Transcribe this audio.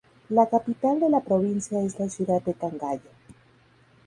La capital de la provincia es la ciudad de Cangallo.